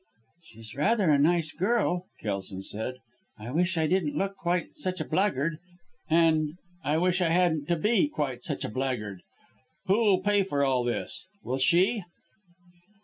"She's rather a nice girl!" Kelson said. "I wish I didn't look quite such a blackguard and I wish I hadn't to be quite such a blackguard. Who'll pay for all this? Will she?"